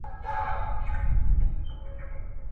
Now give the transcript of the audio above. جګړه د انسانانو په زړونو کې د غچ اخیستنې اور بلوي.